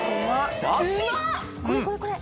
これこれ。